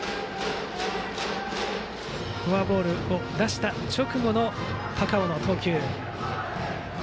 フォアボールを出した直後の高尾の投球。